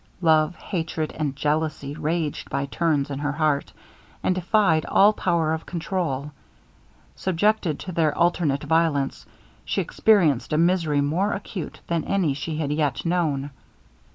Love, hatred, and jealousy, raged by turns in her heart, and defied all power of controul. Subjected to their alternate violence, she experienced a misery more acute than any she had yet known.